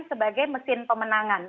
sebagai mesin pemenangan